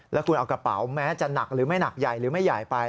แล้วคุณเอากระเป๋าแม้จะหนักหรือไม่หนักใหญ่หรือไม่ใหญ่ไป